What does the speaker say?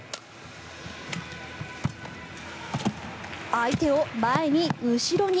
相手を前に後ろに。